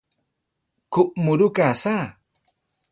Kuʼmurúka asá!